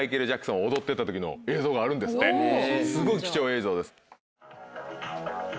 すごい貴重映像です。